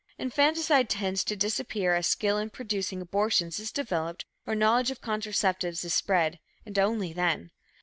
Infanticide tends to disappear as skill in producing abortions is developed or knowledge of contraceptives is spread, and only then.